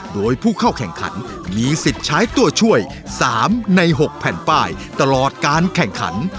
โดยผู้เข้าแข่งขันมีสิทธิ์ใช้ตัวช่วย๓ใน๖แผ่นป้ายตลอดการแข่งขัน